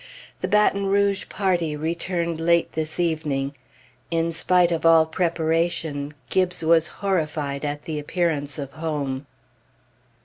The Baton Rouge party returned late this evening. In spite of all preparation, Gibbes was horrified at the appearance of home.